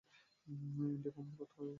India ভ্রমণ কেমন গেল?